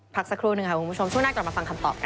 พักสักครู่หนึ่งค่ะคุณผู้ชมช่วงหน้ากลับมาฟังคำตอบกัน